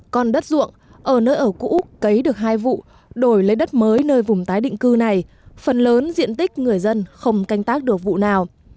còn đất ruộng ở nơi ở cũ cấy được hai vụ đổi lấy đất mới nơi vùng tái định cư này phần lớn diện tích người dân không canh tác được vụ nào